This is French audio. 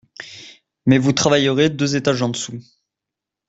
Mais vous travaillerez deux étages en–dessous.